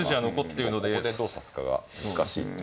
ここでどう指すかが難しいという。